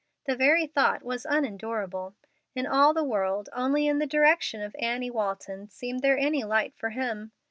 The very thought was unendurable. In all the world, only in the direction of Annie Walton seemed there any light for him.